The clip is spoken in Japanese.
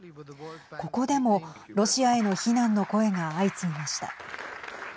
ここでも、ロシアへの非難の声が相次ぎました。